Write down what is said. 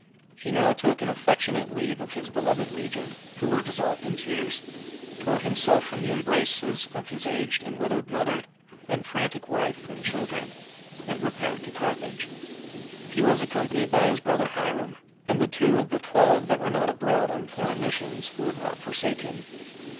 He now took an affectionate leave of his beloved legion, who were dissolved in tears; tore himself from the embraces of his aged and widowed mother, and frantic wife and children, and repaired to Carthage. He was accompanied by his brother Hyrum, and the two of the Twelve, that were not abroad on foreign missions, who would not forsake him.